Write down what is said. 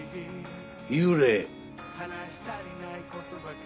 幽霊。